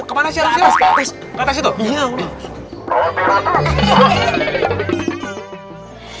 ke atas itu